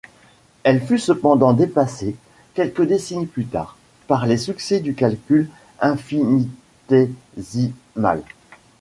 Elle fut cependant dépassée, quelques décennies plus tard, par les succès du calcul infinitésimal.